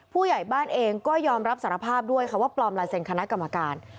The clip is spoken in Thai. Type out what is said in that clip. ผู้ใหญ่บ้านเองก็ยอมรับสารภาพด้วยค่ะว่าปลอมลายเซ็นคณะกรรมการ